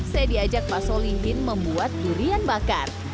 saya diajak pak solihin membuat durian bakar